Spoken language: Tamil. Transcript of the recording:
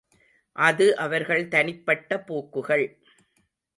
அது அவர்கள் தனிப்பட்ட போக்குகள்.